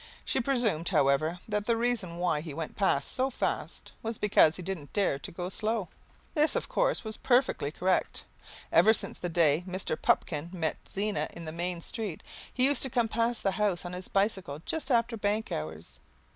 She presumed, however, that the reason why he went past so fast was because he didn't dare to go slow. This, of course, was perfectly correct. Ever since the day when Mr. Pupkin met Zena in the Main Street he used to come past the house on his bicycle just after bank hours.